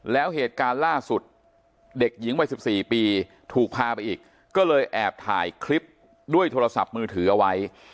แล้วเหตุการณ์ล่าสุดเด็กหญิงวัย๑๔ปีถูกพาไปอีกก็เลยแอบถ่ายคลิปด้วยโทรศัพท์มือถือเอาไว้